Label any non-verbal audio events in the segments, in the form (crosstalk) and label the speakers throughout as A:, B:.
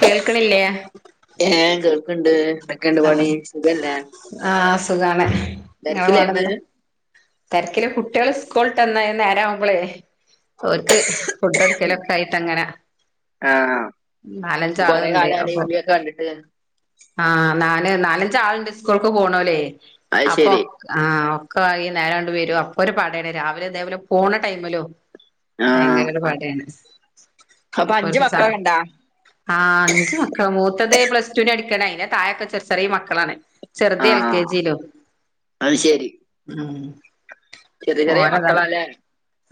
A: കേൾക്ക്ണില്ലേ
B: ഏ കേൾക്ക്ണ്ട് എന്തക്കെ ഇണ്ട് പണി സുഖല്ലേ
A: ആ സുഖാണ്
B: തെരക്കിലെര്ന്ന്
A: തെര്ക്കില് കുട്ടിയള് സ്കൂൾട്ട് വന്ന നേരാവുമ്പളേ ഓര്ക്ക് ഫുഡ് കൊട്ക്കല് ഒക്ക ആയിട്ട അങ്ങനെ
B: ആഹ്
A: നാലഞ്ച് ആള്കള്
B: കൊറെ
A: ഇണ്ട്
B: കാലായല്ലോ ഈ
A: അപ്പൊ
B: വിളിയൊക്കെ കണ്ടിട്ട്
A: ആ നാല് നാലഞ്ച് ആൾണ്ട് സ്കൂൾക്ക് പോണോലേ
B: അത്
A: അപ്പൊ
B: ശെരി
A: ആ ഒക്ക ആയി ഈ നേരാണ്ട് വെരും അപ്പൊ ഒരു പടെണ് രാവിലെ ഇതേപോലെ പോണ ടൈമ് ലും
B: ആഹ്
A: ഭയങ്കര ഒരു പടേണ്
B: അപ്പൊ
A: അപ്പ
B: അഞ്ച്
A: ഓൽക്ക് സ
B: മക്കളൊക്കെണ്ടാ
A: ആ അഞ്ച് മക്കള മൂത്തത് പ്ലസ് ടുവിന് പഠിക്കാണ് അയിന്റെ തായക്ക ചെർ ചെറിയെ മക്കളാണ് ചെറ്ത് എൽ കെ
B: ആഹ്
A: ജിലു
B: അത് ശെരി
A: ഉ
B: ചെറിയ ചെറിയ
A: ഓരതാ
B: മക്കളാല്ലേ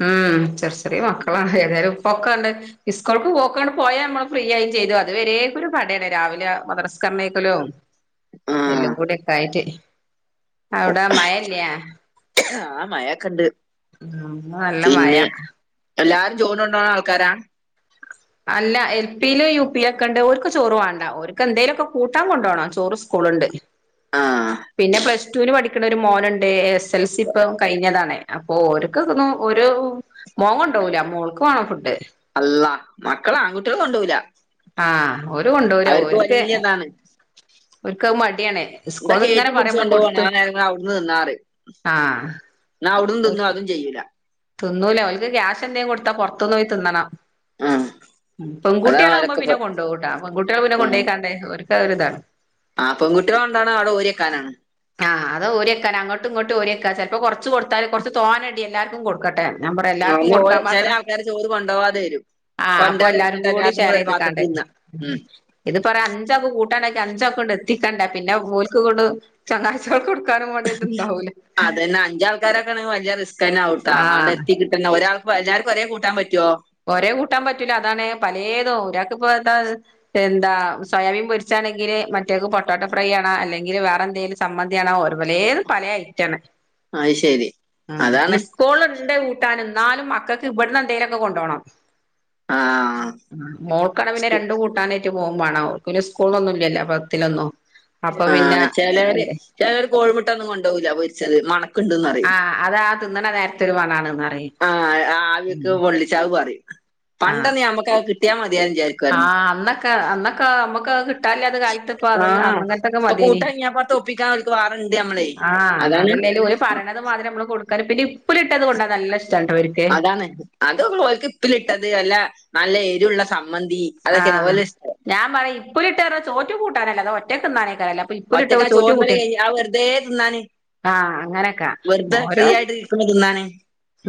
A: ഉം ചെർ ചെറിയ മക്കളാണ് ഏതായാലും പൊക്കണ്ട് ഇസ്കൊൾക്ക് ഒക്കാണ്ട് പോയ നമ്മള് ഫ്രീ ആയിം ചെയ്ത് അത് വരെ ക്കോരു പടേണ് രാവിലെ മദ്രസ് കമ്മയ്‌ക്കലോ
B: ആഹ്
A: എല്ലം കൂടി ഒക്ക ആയിട്ട് അവ്ട മഴല്യാ
B: ആഹ് മഴൊക്കെണ്ട്
A: ഉം ഇന്ന് നല്ല മഴ
B: പിന്നെ എല്ലാരും ചോറോണ്ടോണ ആൾക്കാരാ
A: അല്ല എൽ പില് യു പി ലക്ക ഇണ്ട് ഓര്ക്ക് ചോറ് വാണ്ട ഓര്ക്ക് എന്തേലും ഒക്ക കൂട്ടാം കൊണ്ടോണം ചോറ് സ്കൂള് ഇണ്ട്
B: ആഹ്
A: പിന്നെ പ്ലസ് ടുന് പഠി ക്ക്ണ ഒരു മോന് ഇണ്ട് എസ് എൽ സി ഇപ്പ കഴിഞ്ഞതാണെ അപ്പൊ ഓര്കക്ക്ണു ഒരു മോൻ കോണ്ടോവൂല മോൾക്ക് വാണം ഫുഡ്
B: അള്ള മക്കള് ആൺകുട്ടിയള് കൊണ്ടോവുല
A: ആ ഓര് കൊണ്ടോവുല ഓര്ക്ക്
B: വല്യ ഇതാണ്
A: ഓര്ക്ക് അത് മടിയാണ്
B: ന്താ
A: സ്കൂള്ന്ന് ഇങ്ങനെ
B: കേറ്റി പുട്ച്ച്
A: പറയും നമ്മള്
B: കൊണ്ടോവാണ്
A: കൊടുത്ത്
B: ആ നേരം ഞാൻ അവ്ട്ന്ന് തിന്നാറിം
A: ആഹ്
B: ന്നാ അവ്ട്ന്നും തിന്നോ അതും ചെയ്യൂല
A: തിന്നൂല ഓൽക്ക് ക്യാഷ് എന്തേ കൊട്ത്താ പൊർത്ത്ന്ന് പോയി തിന്നണം
B: ആഹ്
A: ഉം
B: അതാണ്
A: പെങ്കുട്ടിയള് ആവുമ്പോ
B: ഓലൊക്കെ ഇപ്പൊ
A: പിന്നെ കൊണ്ടോവുട്ടാ പെങ്കുട്ടിയള് പിന്നെ കൊണ്ടയി കാണ്ട് ഓര്ക്ക് അത് ഒരു ഇതാണ്
B: ആ പെങ്കുട്ടിയള് കൊണ്ടാണ അവ്ട ഓരിയക്കാനാണ്
A: ആ അത് ഓരി വെക്കാനാ അങ്ങട്ടും ഇങ്ങട്ട് ഓരി വെക്ക ചെൽപ്പ കൊർച്ച് കൊടുത്താല് കൊർച്ച് തോന ടി എല്ലാർക്കും കൊടുക്കട്ടെ ഞാൻ പറയും
B: ആ
A: എല്ലാർക്കും
B: ഇഞ് ഓല് ചെലെ ആൾക്കാര് ചോറ് കൊണ്ടവാതെ വെരും
A: ആ അപ്പൊ എല്ലാരും കൂടി ഷെയറയ്ത്ക്കാണ്ട്.
B: തിന്ന ഉം
A: ഇത്പ്പൊര് അഞ്ചാക്ക് കൂട്ടാണ്ടാക്കി അഞ്ചാക്കും ഇങ്ങട്ട് എത്തിക്കണ്ടെ പിന്നെ ഓൽക്ക് കൊണ്ട്. ചങ്ങായ്‌ചൾക്ക് കൊടുക്കാനും വാണ്ടി ഇത്ണ്ടാവൂല.
B: ഞ്ചാരാക്കാണേ വല്ല്യ റിസ്ക്കെന്നാവുട്ട ആണ്ടെ
A: ആഹ്
B: എത്തികിട്ടന്നെ ഒരാൾക്ക് എല്ലാര്ക്കും ഒരേ കൂട്ടാം പറ്റോ
A: ഒരേ കൂട്ടാം പറ്റൂല അതാണ് പലേതും ഒരാക്ക് ഇപ്പൊ എന്താ. എന്താ സോയാബീൻ പൊര്ച്ചാണെങ്കില് മറ്റേ ആക്ക് പൊട്ടാട്ടൊ ഫ്രൈ ആണ് അല്ലെങ്കില് വേറെ എന്തേല് ചമ്മന്തി ആണ് ഓര് പലേതും പലേ ഐറ്റാണ്.
B: അത് ശരി
A: ഉം
B: അതാണ്
A: ഇസ്കൂൾള് ഇണ്ട് കൂട്ടാന് ന്നാലും മക്കക്ക് ഇവട്ന്ന് എന്തേലൊക്കെ കോ കാണാം
B: ആ
A: മോൾക്കാണേ പിന്നെ രണ്ട് കൂട്ടാന് റ്റ് പോവും മാണം അവർക് സ്കൂളൊന്നും ഇല്ലല്ലോ പത്തിലൊന്നും അപ്പൊ പിന്നെ
B: ആഹ് ചെലര്
A: എന്തെ
B: ചെലര് കോഴിമുട്ടൊന്നും കൊണ്ടോവുല്ല പൊരിച്ചത് മണക്കണ്ട്ന്ന്റിം.
A: ആഹ് അതാ ആ തിന്നണ നേരത്തെരു മണാണ്ന്നറിം
B: ആഹ് ആവിക്ക് പൊള്ളിച്ചാവ് പറിം
A: ആഹ്
B: പണ്ടൊന്ന് ഞമ്മക്കത് കിട്ടിയാൽ മതിയായ് വിചാരി.
A: ആഹ് അന്നൊക്കെ അന്നൊക്കെ നമ്മക്ക് കിട്ടാല്ലാത്തെ കാലത്ത്പ്പൊ അ അന്നങ്ങിനത്തൊക്കെ മതിയേന്
B: തോപ്പിക്കാൻ അവൽക്ക് വാറുണ്ട് നമ്മളെ
A: ആഹ്
B: അതാണ്
A: അതല്ലേലും ഓല്
B: ആ
A: പറയണത് മാതിരി മ്മള് കൊടുക്കാന് പിന്നെ ഇപ്പില് ഇട്ടത് കൊണ്ടാ നല്ല ഇഷ്ട്ടാണ് ഇവർ
B: അതാണ് അത് ഓൽക്ക് ഇപ്പിലിട്ടത് അല്ല നല്ല എരുള്ള സമ്മന്തി അതൊക്കെയാണ്
A: ആഹ്
B: ഓലെ ഇഷ്ടം
A: ഞാൻ പറയും ഇപ്പുലിട്ടത് ചോറ്റു കൂട്ടാനല്ല അതോ ഒറ്റ കിന്നാനേക്കാരം
B: ഒറ്റക്ക ആ ചോറും കറിയും ആ വെറുതെ തിന്നാന്
A: ആഹ് അങ്ങനൊക്കെ
B: വെറുതെ ഫ്രീ
A: ഓരോ
B: ആയിട്ട് ഇരിക്കുമ്പൊ തിന്നാന്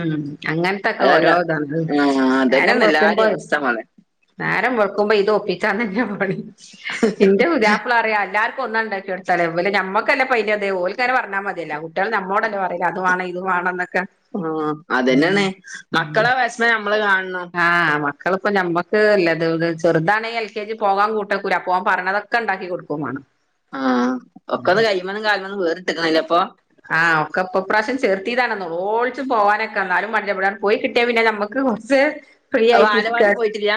A: ഉം അങ്ങനത്തൊക്കെ
B: അതല്ല
A: ഓരോ ഇതാണ്
B: ആഹ് അതന്നെ
A: നേരം
B: നല്ലാര
A: വെളുക്കുമ്പോ
B: അവസ്ഥ മോളെ
A: നേരം വെളുക്കുമ്പോ ഇത് ഒപ്പിച്ചാന്നന്നെ പണി ഇന്റെ പുത്യാ പ്ല അറിം അല്ലാർക്ക ഒന്നാണ് ഉണ്ടാക്കിക്കൊടുത്താല് ഇവല് ഞമ്മക്കല്ല പയില് അത് ഓൽക്ക് അങ്ങനെ പറഞ്ഞാ മതിയല്ലോ. കുട്ടിയാൾ നമ്മോടല്ലേ പറയല് അത് വാണം ഇത് വാണന്നൊക്കെ
B: ആഹ് അതന്നെയാണ് മക്കളെ വെഷമം നമ്മള് കാണണം
A: ആഹ് മക്കളപ്പൊ നമ്മക്ക് ല്ലത് ചെറുതാണെങ്ക എൽ കെ ജി പോകാൻ കൂട്ടക്കുല അപ്പൊ ഓൻ പറയണത് ക്കെ ണ്ടാക്കി കൊടുക്കുവാണം
B: ആഹ് ഒക്കൊന്ന് കഴിയുമന്നും കാല്മന്നും വേറിട്ടക്കുണല്ലേ ഇപ്പൊ
A: ആഹ് ഒക്കപ്പൊപ്രാവശ്യം ചെർത്തിതാണ് നൊളോളിച്ച് പോകാനൊക്കെ എന്നാലും മട (unintelligible) പോയി കിട്ടിയാ പിന്നെ നമ്മക്ക് ക്ക് കൊറച് ഫ്രീ
B: അത്
A: ആയിട്ടിരിക്കാ
B: ബാലവാടി പോയിട്ടില്ല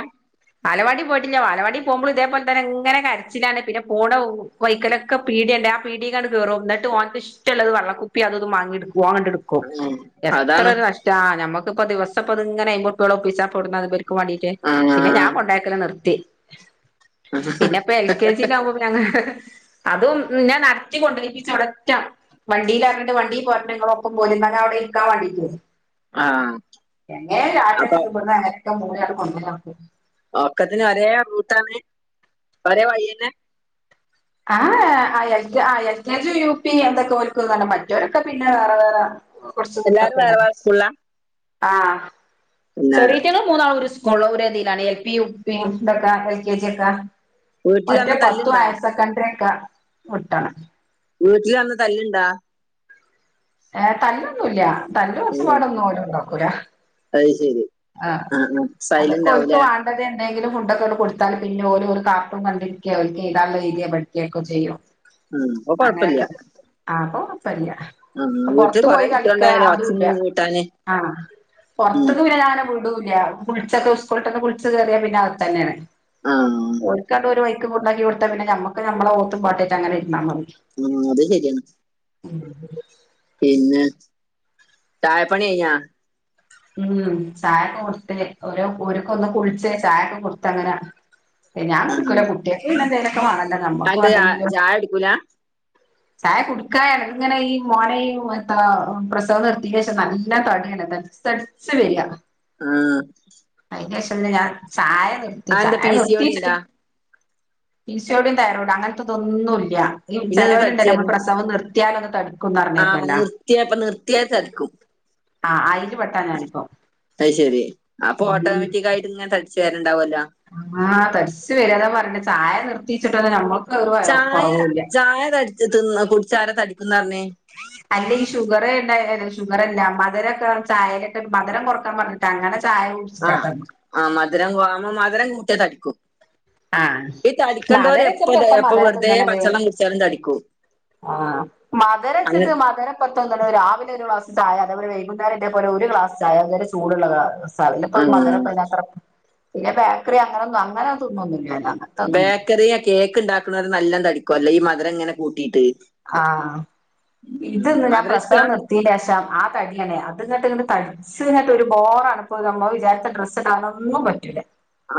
A: ബാലവാടി പോയിട്ടില്ല ബാലവാടി പോക്മ്പോൾ ഇതേപോൽ തന്നെ ഇങ്ങനെ കരച്ചിലാണ് പിന്നെ പോണ പോകും വൈക്കലൊക്കെ പീടിയണ്ട് ആ പീടിയക്കാണ് കേറും ന്നിട്ട് ഓന്ക്ക് ഇഷ്ട്ടള്ളത് വള്ളക്കുപ്പി അതൊതും വാങ്ങിടുക്കും ഓങ്ങട്ട് എടു ക്കും
B: ഉം അതാണ്
A: എത്രരു നഷ്ട്ടാ നമ്മുക്കിപ്പൊ ദിവസംപ്പത് ഇങ്ങനെ അയമ്പ് ർപ്യോളം ഒപിച്ചാൻ പ്പൊ ഇവുടന്നാ. ക്കു വാണ്ടീട്ട്
B: ഉം
A: പിന്നെ ഞാൻ കൊണ്ടക്കല് നിർത്തി പിന്നെ പ്പൊ എൽ കെ ജി യിലാവുമ്പോ പിന്നെ അങ്ങ അതും ന്നെ നടത്തി കൊണ്ടരീപ്പിച്ചും ഇവടറ്റം വണ്ടിയിലാക്കിട്ട് വണ്ടി പോരണം ഇങ്ങള ഒപ്പം പോര് ന്നാ ഞാൻ അവിടെ ഇരിക്കാൻ വാണ്ടിറ്റ്
B: ആ
A: എങ്ങനേലാകട്ടെ
B: അപ്പൊ
A: ഇബ്ട്ന്ന് അനക്കെ മൂന്ന അങ്ങട്ട് പോണങ്കിലവസ്ഥെ
B: ഒക്കത്തിന് ഒരേ റൂട്ടാണ് ഒരേ വഴിയന്നെ
A: ആആഹ് അ എൽ അ L K G U P എമ്പതോൽക്ക് വണം മറ്റോലൊക്കെ പിന്നെ വേറെ വേറെ
B: എല്ലാരും വേറെ വേറെ സ്കൂളില
A: ആഹ് ചെറീറ്റങ്ങ മൂന്നാളും ഒരേ സ്കൂള് ഒരേ തിലാണ് എൽ പി യു പി ന്തക്ക എൽ കെ ജി ഒക്കെ
B: വീട്ടിൽ
A: മറ്റേ
B: അന്ന്
A: പത്തും
B: തല്ലുണ്ടാ
A: ഹയർ സെക്കൻഡറി ഒക്കെ വിട്ടാണ്
B: വീട്ടിൽ വന്ന് തല്ലുണ്ടാ
A: ഏഹ് തല്ലൊന്നുംല്ല തല്ല്
B: ഉം
A: ഒച്ചപാടൊന്നും ഓല്ണ്ടാക്കൂല്ലാ
B: അത് ശരി ആഹ് ആഹ് സൈലന്റ് ആവൂല
A: മറ്റെ എന്തെങ്കിലും ഫുഡൊക്കെ കൊടുത്താൽ പിന്നെ ഓല് ഓലെ കാർട്ടും കണ്ടിരിക്കെ ഓൽക്ക് എയ്താൻള്ളത് എയ്തേ പഠികൊക്കെ ചെയ്യും
B: ഉം അപ്പൊ
A: അങ്ങനെ ക്കെ
B: കൊഴപ്പില്ല
A: ആഹ് പ്പ കൊയപ്പല്ല്യ
B: ആ വീട്ടിൽ
A: പൊറത്ത്
B: കൊറേ
A: പോയി കളിക്ക
B: കുട്ടികളുണ്ടായാലേ ഒച്ചയും
A: അതുല്ല
B: വിളിയും കൂട്ടാന്
A: ആഹ്
B: ഉം
A: പൊറത്തക്ക് പിന്നെ ഞാന് വിടുല്ല കുളിച്ചൊക്കെ ഉ സ്കോളിട്ടൊന്ന് കുളിച്ച് കേയറിയ പിന്നെ അകത്ത് തന്നെയാണ്
B: ആ
A: ഓൽക്കണ്ട് ടുതലാക്കി കൊത്താ പിന്നെ നമ്മുക്ക് നമ്മളെ ഓത്തും പാട്ടിട്ട്ങ്ങനെ ഇരുന്നമതി
B: ഉം അത് ശരിയാണ്
A: ഉം
B: പിന്ന തായപ്പണി കയ്ഞ്ഞോ
A: ഉം ചായൊക്കെ കൊടുത്ത് ഓരോ ഒരുക്ക ഒന്ന് കുളിച്ച് ചായക്കെ കൊടുത്ത് അങ്ങനെ ഞാൻ
B: ആ
A: കുട്ക്കൂലാ കുട്ടിയാക്ക് പിന്നെ എന്തേലൊക്കെ വാണല്ലോ നമ്മക്ക് വാണ്ടെങ്കിലും
B: ആയടിക്കൂല
A: ചായ കുടിക്കാ (unintelligible) ഇങ്ങനെ ഈ മോന മത്ത പ്രസവം നിർത്തിയ (unintelligible) നല്ല തടിയാണ് തട്ച്ച് തട് ച്ച് വര
B: ആഹ്
A: അയ്ൻ്റേശം പിന്നെ ഞാൻ ചായ നിർത്തി
B: അന്റെ
A: ചായ
B: പി സി ഓടി
A: നിർത്തിയേച്ച്ട്ട്
B: ഉണ്ടാ
A: (unintelligible) ശോടും തയ്റോടും അങ്ങൻത്തെ ഇതൊന്നുല്ല ഈ
B: പിന്നെന്താ
A: ചെലോല് സവം നിർത്തിയാലൊന്ന് തട
B: ആഹ് നിർത്തിയപ്പ നിർത്തിയാ തടിക്കും
A: ആഹ് ആയി
B: അത് ശരി അപ്പൊ ഓട്ടോമാറ്റിക് ആയിട്ട് ഇങ്ങനെ തടിച്ചു വരണ്ടാവല്ലോ
A: ആഹ് തരിച്ച് വരതാ പർഞ്ഞ ചായ നിർത്തിച്ചിട്ടന്ന ഞമ്മൾ
B: ചായ ചായ തടിച്ച് തിന്ന് കുടിച്ചാര തടിക്കുന്നർഞ്ഞേ
A: അല്ല ഈ ഷുഗർ ഇണ്ട ഷുഗർ അല്ല മധുരൊക്കെ ചായേലൊക്കെ മധരം കൊറക്കാൻ പർഞ്ഞ് നങ്ങടെ ചായിം
B: ആഹ് ആഹ് മധുരംമ്മ മധുരം കൂട്ട്യ തടിക്കും
A: ആഹ്
B: ഈ തടിക്കണ്ടോവര് എപ്പൊ
A: മധുരച്ചപ്പ എത്ത
B: (unintelligible) എപ്പൊ
A: മധുരം
B: വെറുതെ
A: തിന്നണത്
B: പച്ചള്ളം കുട്ച്ചാലും തടിക്കും
A: ആഹ് മദുര
B: അങ്ങനെ
A: വച്ചിട്ട് മദരം പത്ത തന്നെ രാവിലെ ഒരു ഗ്ലാസ് ചായ അതേ പോലെ വൈകുന്നേരം ഇതേ പോലെ ഒരു ഗ്ലാസ് ചായ അതന്നെ ചൂട്ള്ള ഗ്ലാസ് സകലപ്പം
B: ആഹ്
A: മധുരപ്പ അയ്ന് അത്ര പിന്നെ ബേക്കറി അങ്ങനെൊന്നും അങ്ങനെ ത്ന്നൊന്നുല്ല ഞാ
B: ബേക്കറിയാ കേക്ക് ഇണ്ടാക്ക്ണോര് നല്ലോം തടിക്കുംല്ലോ ഈ മധുരം ഇങ്ങനെ കൂട്ടീട്ട്
A: ആഹ് ഇതൊന്ന് ഞാൻ
B: മധുരം ഇഷ്ടാ
A: പ്രസവം നിർ ത്തീൻ്റേശം ആ തടിയന്നെ അത്ങ്ങട്ട് ഇങ്ങട്ട് തടി ച്ച് ങ്ങട്ട് ഒരു ബോറാണ് ഇപ്പൊ നമ്മൾ വിചാരിച്ച ഡ്രസ്ടാനൊന്നും പറ്റൂല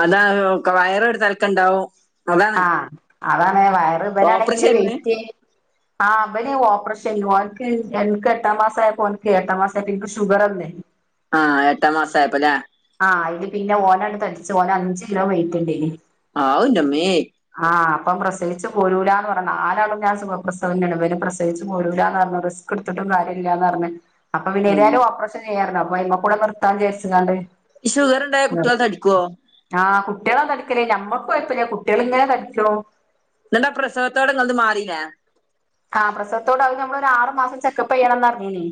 B: അതാ (unintelligible) വയറ് ഒരു തൽക്ക ഇണ്ടാവും
A: ആഹ് അതാണ് വയറ്
B: ഓപ്പറേഷൻ
A: ഇപനാണെങ്കില്
B: ആയിരുന്നേ
A: വെയ്റ്റ് ആഹ് ഇപന് ഓപ്പർഷേനി ഓൻക്ക് എൻക്ക് എട്ടാം മാസ ആയപ്പോ ഓൻക്ക് എട്ടാം മാസ (unintelligible) എൻക്ക് ഷുഗറന്ന്
B: ആഹ് എട്ടാം മാസ ആയപ്പോ ല്ലേ
A: ആഹ് അയ്ല് പിന്നെ ഓനണ്ട് തടിച്ചു ഓന അഞ്ച് കിലോ വെയിറ്റ് ഉണ്ടേനി.
B: ആവ് ഇൻ്റെ ഇമ്മേ
A: ആഹ് അപ്പം പ്രസവിച്ച് പോരൂലാന്ന് പർഞ് നാലാളും ഞാൻ സുഖപ്രസവന്നേണ് ഇപനെ പ്രസവിച്ച് പോരൂല ന്ന് പർഞ് ക്ട്ത്തിട്ടും കാര്യം ഇല്ലാന്നർഞ് അപ്പൊ പിന്നെ
B: ഉം
A: ഏതായാലും ഓപ്പറേഷൻ ചെയ്യാരുന്നു അപ്പ അയമ്മ കൂടെ നിർത്താൻ ചാരിച്ച്കാണ്ട്
B: ഷുഗർ ഇണ്ടായ കുട്ടിയാള് തടിക്കോ
A: ആഹ് കുട്ടിയാളാ തടിക്കല് നമ്മക്ക് കൊഴ്പ്പല്ല കുട്ടിയാള് ഇങ്ങനെ തടിക്കും
B: ന്നട്ടാ പ്രസവത്തോടെ ഇങ്ങൾത് മാറീലേ
A: ആഹ് പ്രസവത്തോട അത് നമ്മള ഒരു ആറ് മാസം ചെക്കപ്പയ്യണംന്ന് അർഞ്ഞീനി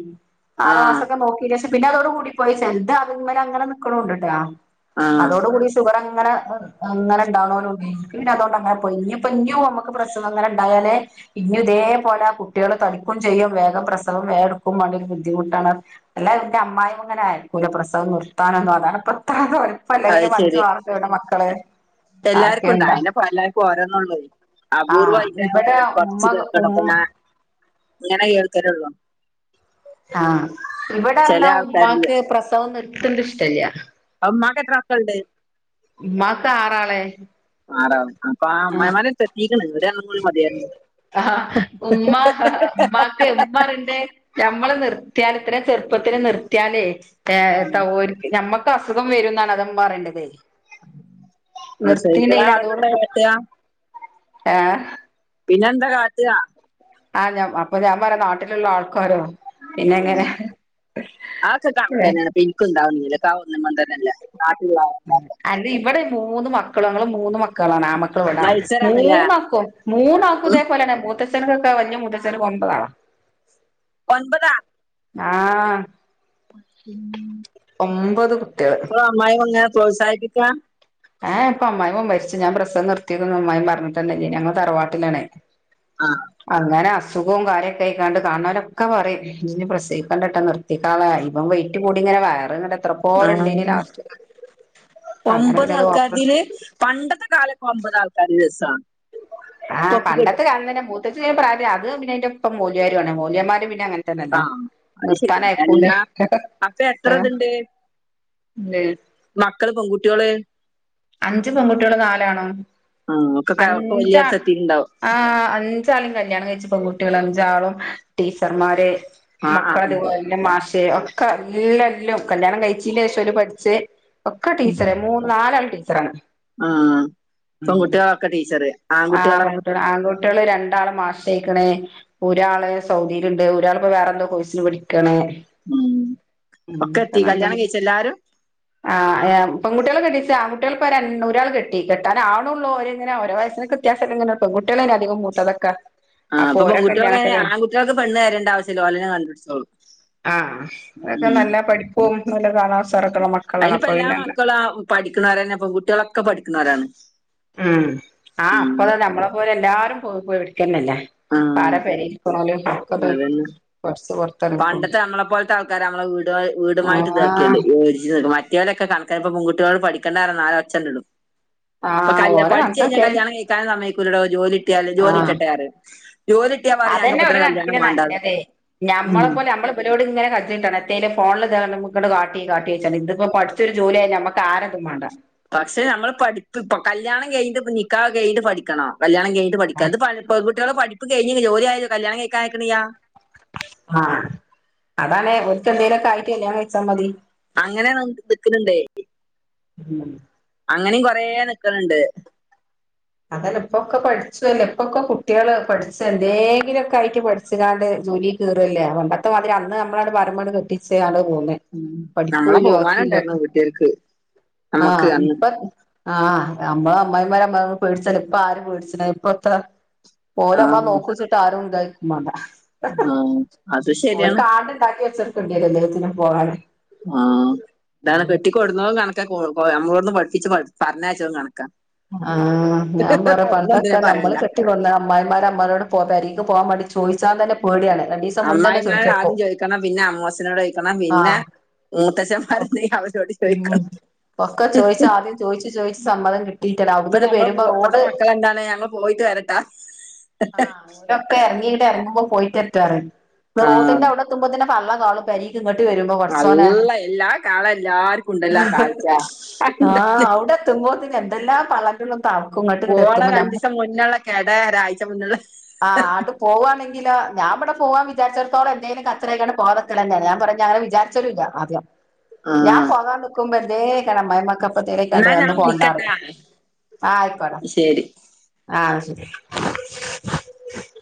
A: ആറു
B: ആഹ്
A: മാസൊക്കെ നോ (unintelligible) പിന്നെ അതോടുകൂടി പോയി ചെൽത് അത്മല് അങ്ങനെ ന്ക്ക്ണുണ്ട് ട്ടോ
B: ആഹ്
A: അതോട് കൂടി ഷുഗർ അങ്ങനെ അങ്ങനെ ഇണ്ടാണോലും ണ്ടേ. എനിക്ക് പിന്നെ അതുകൊണ്ട് അങ്ങനെ പോയി ഇനിയിപ്പൊ ഇനി നമ്മുക്ക് പ്രശ്നം അങ്ങനെണ്ടായാലേ ഇനി ഇതേപോലെ ആ കുട്ടികൾ തടിക്കും ചെയ്യും വേഗം പ്രസവം വേം ഇട്ക്കും വാണ്ടി വരും ബുദ്ധിമുട്ടാണ് എല്ലാ എന്റെ അമ്മായ്മ ഇങ്ങനെ അയ്കൂല പ്രസവം നിർത്താനൊന്നും അതാണ്പ്പ (unintelligible) ഇപ്പ അല്ലെങ്കിലും അഞ്ചോ ആറോ ക്കെ ഇവടെ മക്കള്
B: എല്ലാർക്കുംണ്ട
A: ആർക്കെണ്ടാ
B: അയ്നപ്പ എല്ലാർക്കും ഓരന്നള്ളേ
A: ആഹ്
B: അപൂർവ്വമായിട്ടെ
A: ഇവിടെ
B: ഓര്
A: ഉമ്മ
B: കുറച്ച് കേൾക്കള്ളു അപ്പൊ
A: ഉമ്മ
B: ഞാൻ ഇങ്ങനെ കേൾക്കരുള്ളൂ
A: ആഹ്
B: ചില
A: ഇവിടണ്ടാവും
B: ആൾക്കാരില്
A: ഉമ്മാക്ക് പ്രസവം നിർത്തണ്ത് ഇഷ്ടില്ല
B: അപ്പം ഉമ്മാക്ക് എത്ര മക്കൾണ്ട്
A: ഉമ്മാക്ക് ആറാളെ
B: ആറാള് അപ്പാ
A: ആഹ്
B: അമ്മായിമാരെടത്ത്എത്തീക്കണ് ഇവിടെ (inaudible) എണ്ണം മതിയാരുന്നു
A: ആഹ് ഉമ്മാ ഉമ്മാക്ക് ഉമ്മറിന്റെ നമ്മള് നിർത്തിയാല് ഇത്രയും ചെറുപ്പത്തിലെ നിർത്തിയാലേ ഏഹ് ത ഒരു നമ്മക്ക് അസുഖം വരുംന്നാണ് അതുമ്മ പറേണ്ടത്
B: പ്രസവിക്കണ
A: നിർത്തീണ്ടേൽ അതോടെ
B: ആളുണ്ടായി കാട്ടുക
A: ഏഹ്
B: പിന്നെ എന്താ കാട്ട്ക
A: ആഹ് ഞാൻ പ അപ്പൊ ഞാൻ പറ നാട്ടിലുള്ള ആൾക്കാരോ പിന്നെങ്ങെനെ
B: ഉം.
A: ഇല്ലേ
B: എനിക്കുണ്ടാവുന്നല്ല (inaudible) നാട്ടിലുള്ള
A: ഊം അന്റെ ഇവിടെ മൂന്ന് മക്കളു ആണുള്ള മൂന്ന് മക്കളാണ് ആമ്മക്കള് ഇവടാ
B: മത്സരാണല്ലേ
A: മൂന്നാക്കും
B: ഉം.
A: മൂന്നാക്കുതേ പോലെന്നെ മൂത്തച്ഛന്ക്കൊക്കെ വല്യ മൂത്തച്ചനക്ക് ഒമ്പതാളാ
B: ഒൻപതാ
A: ആഹ്
B: ഊം
A: ഒമ്പത് കുട്ട്യേള്
B: അപ്പ അമ്മായിയമ്മ അങ്ങനെ പ്രത്സാഹിപ്പിക്ക
A: ഹ് ഇപ്പ അമ്മായിയമ്മ മരിച്ചു ഞാൻ പ്രസം നിർത്തിയതന്നുംഅമ്മായിയമ്മ അറിഞ്ഞട്ടൊന്നുല്ല ഞങ്ങ തറവാട്ടിലാണെ അങ്ങന അസു സുഖോം കാര്യക്കെ ആയിക്കാണ്ട് കാണണോരൊക്ക പറയും നീ ഇനി പ്രസവിക്കണ്ടിട്ടാ നിർത്തിക്കാളാൻ ഇവം വയ് റ്റ് കൂടിങ്ങനെ വയറ് നട എത്ര പോരണ്ടിനി
B: ആ
A: ലാസ്റ്റ് അങ്ങനെ
B: ഒമ്പത്
A: പിന്നെ അത് ഓപ്പറേഷൻ
B: ആൾക്കാരിതില് പണ്ടത്തെ കാലൊക്ക ഒമ്പത് ആൾക്കാര് രസാ
A: ആഹ് പണ്ടത്തെ കാല തന്നെ മൂത്തച്ചി ഈ പ്രായത്തി അത് പിന്ന അതിന്റെ ഇപ്പം മൂല്യാരു ആണ് മൂല്യന്മാര് പിന്നെ അങ്ങനെ തന്നല്ലേ
B: ആഹ് അത് ശരിയാണ്
A: നിർത്താനായിക്കൂല്ല
B: എല്ലാ അപ്പൊ എത്ര
A: ഏഹ്
B: ഇതുണ്ട്
A: ഇല്ലേ
B: മക്കള് പെങ്കുട്ട്യോള്
A: അഞ്ച് പെങ്കുട്ട്യോളും നാലാണും
B: ആഹ് ഒക്കെ ഒക്കെ
A: അഞ്ചാ
B: വലിയൊരു എത്തിയിട്ടുണ്ടാവും
A: ആ അഞ്ച് അഞ്ചാളും കല്യാണം കഴിച്ച് പെങ്കുട്ട്യേള് അഞ്ചാളും ടീച്ചർമാര്
B: ആഹ് ആഹ്
A: മക്കളതുപോല ല്ല മാഷേ ഒക്കെ എല്ലല്ലോ കല്യാണം കഴിച്ചില്ലേ ക്ഷെ ഓര് പഠിച്ച് ഒക്കെ ടീച്ചറെ മൂന്ന് നാലാള് ടീച്ചറാണ്
B: ആഹ് പെൺകുട്ടികളൊക്കെ ടീച്ചറ്
A: ആഹ്
B: ആൺകുട്ടികളെ
A: പെങ്കുട്ട്യോള് ആങ്കു ട്ട്യോള് രണ്ടാള് മാഷായിക്കണ് ഒരാള് സൗദീലുണ്ട് ഒരാളിപ്പോ വേറെന്തോ കോഴ്സിന് പഠിക്കണ്
B: ഉം
A: ഊം ഒക്കെ
B: എത്തി
A: നല്ലത്
B: കല്യാണം കഴിച്ച എല്ലാരും
A: ആഹ് ആഹ് പെങ്കുട്ടികളെ കെട്ടിച്ചാങ്കു കുട്ടികളിപ്പ രൺ ഒരാള് കെട്ടി കെട്ടാനാണുള്ളോരിങ്ങനെ ഓരോ വയസിനക്ക് വ്യത്യാസ ഇങ്ങനെ പെങ്കുകുട്ടികളല്ലേ അധികം മൂത്തതെക്ക
B: ആഹ് ഇപ്പ പെങ്കുകുട്ടികൾക്കങ്ങിനെ ആങ്കുട്ടികക്ക് പെണ്ണ് തരണ്ടാവശ്യല്ല ഓലന്നെ കണ്ടുടിച്ചോളും
A: ആഹ് അതക്കെ നല്ല പഠിപ്പും നല്ല കാണാൻ ശോറക്കെള്ള മക്കളാണ് അപ്പൊ പിന്നെ അങ്ങന
B: പഠിക്കണോരന്നെ പെൺകുട്ടികളൊക്കെ പഠിക്കണോരാണ്
A: ഉം ആഹ് അപ്പോളന്നെ നമ്മളെ പോലെ എല്ലാരും പോയി പോയി പഠിക്കന്നല്ലേ ഇപ്പാര
B: ആഹ്
A: പെരെലിരിക്കണോല് (unintelligible)
B: അതന്നെ
A: കൊറച്ച് പൊറത്താണ് ഇപ്പം
B: പണ്ടത്തെ നമ്മളെ പോലത്തെ ആൾക്കാരമ്മള് വീട് വീടുമായിട്ട് ഇതാക്കിയുണ്ട്
A: ആഹ്
B: (unintelligible) കുട്ടികലൊക്കെ കണക്കാ ഇപ്പ പെങ്കുട്ടികള്പഠിക്കേണ്ട നാല അക്ഷരല്ലേള്ളൂ ഇപ്പൊ
A: ആഹ്
B: കല്ല്യാ
A: ഓലെ
B: പഠിച്ചഴി ഞ്ഞാ
A: കണക്കാക്കിയാല്
B: കല്യാണം കഴി ക്കാനും സമ്മയിക്കൂല്ലടോ ജോലിട്ടിയാല് ജോലി
A: ആഹ്
B: ഇട്ടട്ടെയാറ് ജോലിട്ടിയാ മാ
A: അതന്നെ ഒരു കണക്കിന് നല്ലത്
B: ഉം
A: ഞമ്മളെപ്പോലെ ഞമ്മള് അവരോടിങ്ങനെ കജ്ജ് നിട്ടണം എത്തേലും ഫോണില് ദാണ്ട നമ്മക്ക്ട് കാട്ടി കാട്ടി വച്ച ഇതിപ്പൊ പിഠിച്ചാരു ജോലിയായ ഞമ്മ ക്കാരെതും വേണ്ട
B: പക്ഷെ നമ്മള് പഠിപ്പ് ഇപ്പ കല്യാണം കഴിഞ്ഞിട്ട് നിക്കാഹ് കഴിഞ്ഞിട്ട് പഠിക്കണോ കല്ല്യാണം കഴിഞ്ഞിട്ട് പഠിക്ക അത് പ പെൺകുട്ടിള് പഠിപ്പ്ക്കഴിഞ് ജോലിയാലും കല്ലിയാണം കഴിക്കാൻ അയക്ണില്ല
A: ആഹ് അതാണ് ഓൽക് എന്തേലൊക്കെ ആയിട്ട് കല്യാണം കഴിച്ചാമതി.
B: അങ്ങനെ നിക്ണ് ണ്ടേ
A: ഉം
B: അങ്ങനിം കൊറേ നിക്ണ് ണ്ട്.
A: അതല്ല ഇപ്പൊക്കെ പഠിച്ചുല്ല ഇപ്പൊക്കെ കുട്ടേള് പഠിച്ചു എന്തെങ്കിലുക്കെ ആയിട്ട് പഠ ച്ച്കാണ്ട് ജോലി കേറല്ലേ. പണ്ടത്തെ മാതിരി അന്ന് നമ്മളട് പറിമ്പല് കെട്ടിച് ആണ്ട് പോന്ന്.
B: ഉം. നമ്മളെ
A: പഠിപ്പൂലോ
B: ബഹുമാനം
A: ആക്കിലോ
B: ഉണ്ടായിരുന്നു
A: ഒക്കെ
B: വീട്ടുകാർക്ക് നമുക്ക്
A: ആഹ്
B: അന്ന്
A: ഇപ്പ ആഹ് ഞമ്മള അമ്മായിമാര ഞമ്മ പേടിച്ച ഇപ്പ ആര് പേടിച്ണ് ഇപ്പത്ത.
B: ആ
A: ഓരമ്മ നോകുച്ചിട്ട് ആരും ഇതായിരിക്കും മാണ്ട
B: ആ, അത് ശരിയാണ്
A: ഓൽക് ആണ്ട്ണ്ടാക്കി വെച്ചർക്കണ്ടിരും എല്ലാത്തിനും പോകാന്.
B: ആഹ് ഇതാണ് കെട്ടിക്കൊടുന്നതും കണക്ക നമ്മളോന്ന് പഠിപ്പിച്ച് പറഞ്ഞയച്ചതും കണക്കാ.
A: ആഹ് ഞാൻ പറി
B: ഒന്നും
A: പണ്ടൊക്കെ
B: എന്തിനാ
A: നമ്മള്
B: പറയണ്ട
A: കെട്ടിക്കൊട്ന്നാ. അമ്മായിമാര അമാരോട് പെരിക് പോകമാണ്ടി ചോയ്ചാതന്നെ പേടിയാണ് രണ്ടിസം മുന്നെന്നെ
B: അമ്മായിമാര്
A: ചോയിചെകും
B: ആദ്യം ചോദിക്കണം പിന്നെ അമ്മോസിനോട് ചോദിക്കണം പിന്നെ
A: ആഹ്
B: മൂത്തച്ഛന്മാരുണ്ടെങ്കി അവരോട് ചോദിക്കണം
A: ഒക്കെ ചോയിച്ച് ആദ്യം ചോയിച്ചു ചോയിച്ച് സമ്മതം കിട്ടി. തീ അവിടെന്ന്ണ്ട് വരുമ്പോ റോഡ്
B: എന്താണ് ഞങ്ങള് പോയിട്ട് വരട്ടാ
A: ആഹ് ഓരൊക്കെ എറങ്ങിയിട്ട് ഇറങ്ങുമ്പ പോയിട്ട് വരട്ടെറിം
B: ആഹ്
A: റോട്ട്ന്റെ അവ്ടെ എതുംമ്പതിന് പള്ള കാളും ഇങ്ങട്ട് വരുമ്പോ പടചൊനെ
B: നല്ല എല്ലാ കാലം എല്ലാർക്കും ഉണ്ടല്ലോ ആ കാഴ്ച
A: ആഹ്
B: അതെന്താണ്
A: അവുടെ എത്തുമ്പോത്തിന് എന്തെല്ലാ പള്ളന്റെ ഉള്ള്ന്ന് തളക്കും ഇങ്ങട്ട് ഇങ്ങട്ട് എത്തുമ്പോ നമ്മ
B: പിന്നുള്ളക്കെട ഒരാഴ്ച മുന്നള്
A: ആഹ് അടു പോവാണെങ്കിലൊ ഞാൻവിടെ പോവാ വിരിച്ചടത്തോള എന്തെലും കച്ചറയ്ക്കാണ്ട് പോവാതെ നിക്കലെന്നാണ്. ഞാൻ പറഞ്ഞഞ് അങ്ങനെ വിചാരിച്ചലുല്ല ആദ്യം ഞാൻ
B: ആഹ്
A: പോകാൻ നിക്കുമ്പോ എന്തേയ്ക്കരം. അമ്മായിമ്മാക്ക് അപ്പത്തേലും ആയിക്കാണ്ട്
B: എന്നാ
A: അന്ന്
B: ഞാൻ
A: പോവണ്ടാറിം
B: വിളിക്കട്ടാ
A: ആഹ് ആയിക്കോട്ടെ
B: ശരി
A: ആഹ് ശെരി